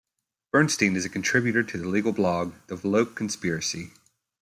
Bernstein is a contributor to the legal blog, The Volokh Conspiracy.